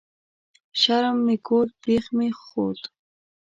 شرم مې کوت ، بيخ مې خوت